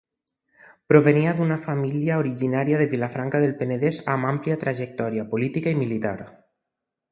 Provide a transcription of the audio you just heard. Provenia d'una família originària de Vilafranca del Penedès amb àmplia trajectòria política i militar.